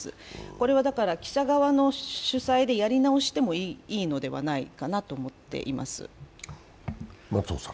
これは記者側の主催でやり直してもいいのではないかと思っています。